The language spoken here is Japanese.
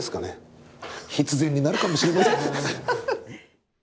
必然になるかもしれません。